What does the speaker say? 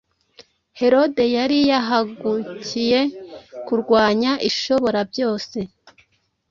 Herode yari yahagukiye kurwanya Ishoborabyose,